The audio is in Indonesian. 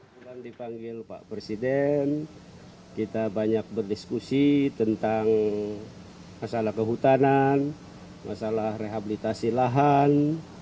bulan dipanggil pak presiden kita banyak berdiskusi tentang masalah kehutanan masalah rehabilitasi lahan